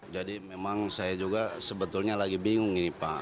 jadi memang saya juga sebetulnya lagi bingung ini pak